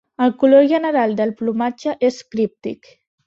El color general del plomatge és críptic.